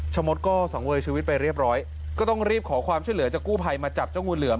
มดก็สังเวยชีวิตไปเรียบร้อยก็ต้องรีบขอความช่วยเหลือจากกู้ภัยมาจับเจ้างูเหลือม